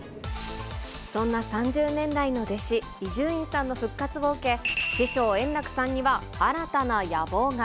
そんな３０年来の弟子、伊集院さんの復活を受け、師匠、円楽さんには新たな野望が。